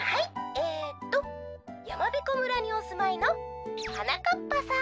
えっとやまびこ村におすまいのはなかっぱさん」。